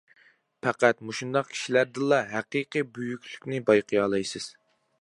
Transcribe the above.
پەقەت مۇشۇنداق كىشىلەردىنلا ھەقىقىي بۈيۈكلۈكنى بايقىيالايسىز.